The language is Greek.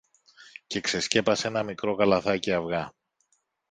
και ξεσκέπασε ένα μικρό καλαθάκι αυγά.